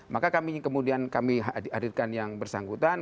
maka kami kemudian kami hadirkan yang bersangkutan